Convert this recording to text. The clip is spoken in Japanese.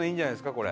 これ。